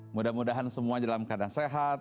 mudah mudahan semua dalam keadaan sehat